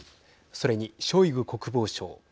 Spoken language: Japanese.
それに、ショイグ国防相。